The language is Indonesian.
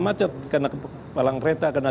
macet karena palang kereta karena